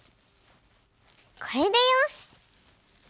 これでよし！